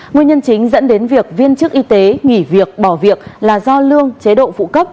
nguyên nhân chính dẫn đến việc viên chức y tế nghỉ việc bỏ việc là do lương chế độ phụ cấp